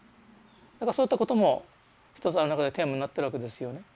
だからそういったことも一つあの中でテーマになってるわけですよね。